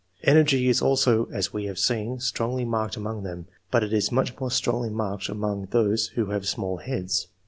Energy is also, as we have seen, strongly marked among them; but it is much more strongly marked among those who have small heads.